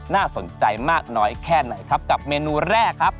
น่าสนใจมากน้อยแค่ไหนครับกับเมนูแรกครับ